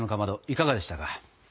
いかがでしたか？